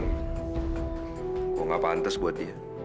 kalau nggak pantas buat dia